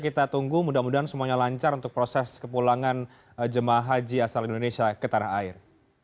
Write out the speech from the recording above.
kita tunggu mudah mudahan semuanya lancar untuk proses kepulangan jemaah haji asal indonesia ke tanah air